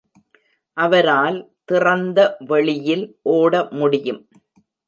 அவரால் திறந்த வெளியில் ஓட முடியும்.